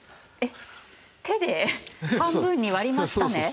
手で半分に割りましたね。